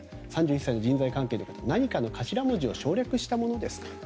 ３１歳の人材関係の方何かの頭文字を省略したものですか？